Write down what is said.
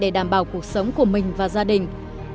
để đảm bảo cuộc sống của mình và gia đình